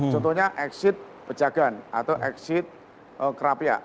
contohnya exit pejagan atau exit kerapia